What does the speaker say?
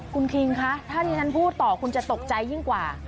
คุณคิงคะถ้าที่ฉันพูดต่อคุณจะตกใจยิ่งกว่า